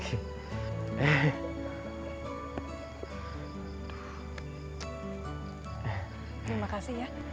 terima kasih ya